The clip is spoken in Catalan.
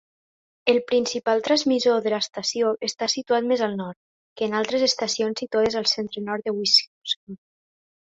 El principal transmissor de l"estació està situat més al nord que en altres estacions situades al centre nord de Wisconsin.